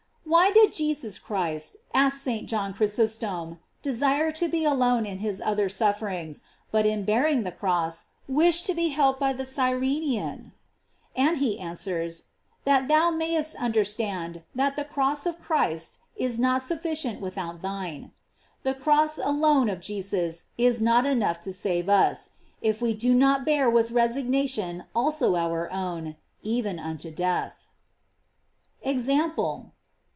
Why did Jesus Christ, asks St. John Chrysostom, desire to be alone in his other sufferings, but in bearing the cross wished to be helped by the Cyrenean ? And he answers: That thou mayest understand that the cross of Christ is not sufficient without thine.f The cross alone of Jesus is not enough to save us, if we do not bear with resignation also our own, even unto death. EXAMPLE.